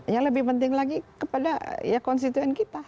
yang lebih penting lagi kepada ya konstituen kita